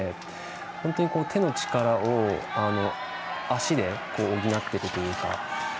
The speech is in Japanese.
本当に手の力を足で補ってるというか。